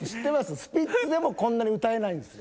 スピッツでもこんなに歌えないんすよ。